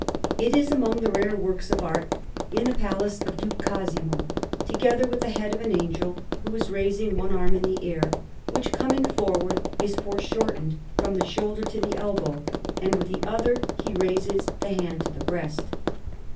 It is among the rare works of art in the Palace of Duke Cosimo, together with the head of an angel, who is raising one arm in the air, which, coming forward, is foreshortened from the shoulder to the elbow, and with the other he raises the hand to the breast.